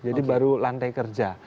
jadi baru lantai kerja